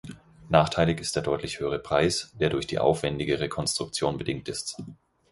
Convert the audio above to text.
Nachteilig ist der deutlich höhere Preis, der durch die aufwändigere Konstruktion bedingt ist.